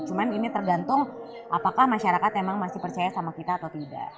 cuma ini tergantung apakah masyarakat memang masih percaya sama kita atau tidak